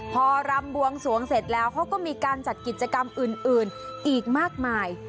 พอรำบวงสวงเสร็จแล้วเขาก็มีการจัดกิจกรรมอื่นอีกมากมาย